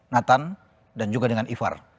nathan dan juga dengan ivar